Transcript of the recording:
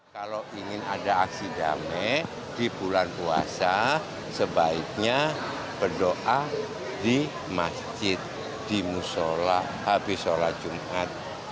kalau ingin ada aksi damai di bulan puasa sebaiknya berdoa di masjid di musola habis sholat jumat